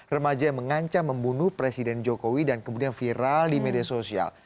remaja yang mengancam membunuh presiden jokowi dan kemudian viral di media sosial